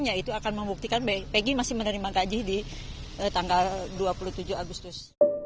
yaitu akan membuktikan pg masih menerima gaji di tanggal dua puluh tujuh agustus